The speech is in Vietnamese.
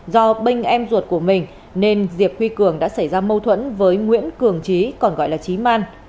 do bên em ruột của mình nên diệp huy cường đã xảy ra mâu thuẫn với nguyễn cường trí còn gọi là trí man